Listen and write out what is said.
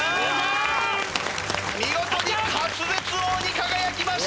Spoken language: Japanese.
見事に滑舌王に輝きました！